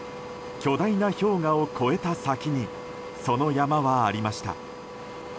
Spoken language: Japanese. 巨大な氷河を越えた先にその山はありました。